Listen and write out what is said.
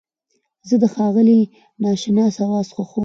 زه د ښاغلي ناشناس اواز خوښوم.